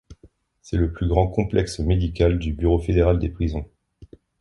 C'est le plus grand complexe médical du Bureau fédéral des prisons.